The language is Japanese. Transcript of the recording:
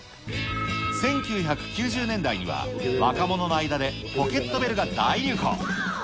１９９０年代には、若者の間でポケットベルが大流行。